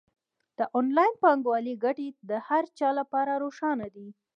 د انلاین بانکوالۍ ګټې د هر چا لپاره روښانه دي.